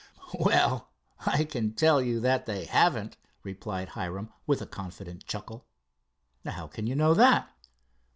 "Well, I can tell you that they haven't," replied Hiram, with a confident chuckle. "How can you know that?"